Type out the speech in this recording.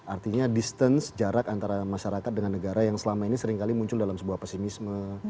artinya distance jarak antara masyarakat dengan negara yang selama ini seringkali muncul dalam sebuah pesimisme